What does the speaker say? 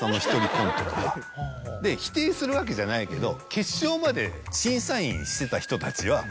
否定するわけじゃないけど。